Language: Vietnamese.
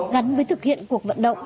gắn với thực hiện cuộc vận động